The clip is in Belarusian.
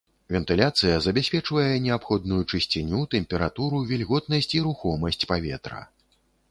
Вентыляцыя забяспечвае неабходную чысціню, тэмпературу, вільготнасць і рухомасць паветра.